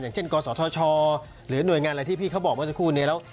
อย่างเช่นกศธชหรือหน่วยงานอะไรที่พี่เขาบอกเมื่อสักครู่นี้แล้ว